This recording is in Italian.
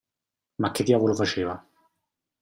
Ma che diavolo faceva.